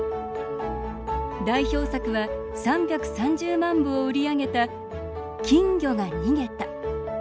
代表作は３３０万部を売り上げた「きんぎょがにげた」